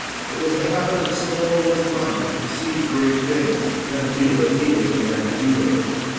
It was the habit of Savonarola's mind to conceive great things, and to feel that he was the man to do them.